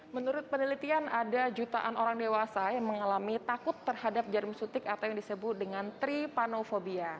menurut penelitian ada jutaan orang dewasa yang mengalami takut terhadap jarum suntik atau yang disebut dengan tripanofobia